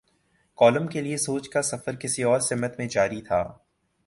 Column کے لیے سوچ کا سفر کسی اور سمت میں جاری تھا۔